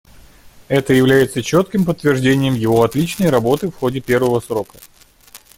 Это является четким подтверждением его отличной работы в ходе первого срока.